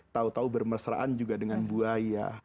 tau tau bermesraan juga dengan buaya